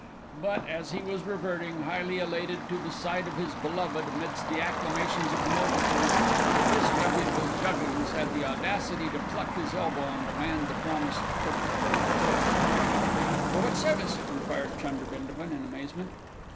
But, as he was reverting, highly elated, to the side of his beloved amidst the acclamations of the multitude, the disreputable Juggins had the audacity to pluck his elbow and demand the promised quid pro quo. "For what service?" inquired Chunder Bindabun in amazement.